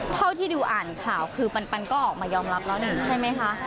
เท่าที่ดิวอ่านข่าวคือปันก็ออกมายอมรับแล้วหนึ่งใช่ไหมคะ